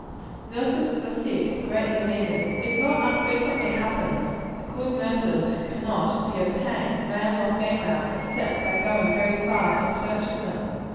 Nurses of the sick are greatly needed. It not unfrequently happens, that good nurses cannot be obtained, male or female, except by going very far in search for them.